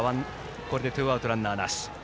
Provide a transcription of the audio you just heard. これでツーアウトランナーなし。